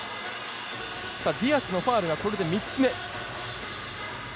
ディアスのファウルが３つ目。